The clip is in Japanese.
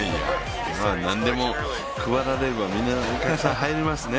何でも配られればみんなお客さん入りますね。